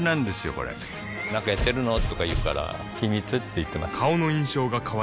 これなんかやってるの？とか言うから秘密って言ってます